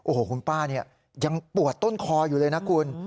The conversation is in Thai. โอ้โหคุณป้าเนี่ยยังปวดต้นคออยู่เลยนะคุณ